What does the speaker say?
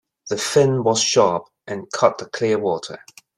The fin was sharp and cut the clear water.